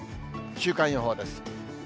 週間予報です。